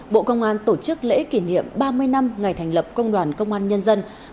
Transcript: bộ công an tổ chức lễ kỷ niệm ba mươi năm ngày thành lập công đoàn công an nhân dân